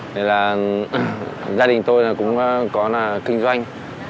đây là gia đình tôi cũng có kinh doanh